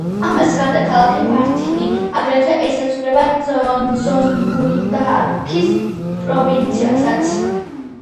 ამას გარდა, ქალაქი ბართინი, აგრეთვე, ესაზღვრება ზონგულდაქის პროვინციასაც.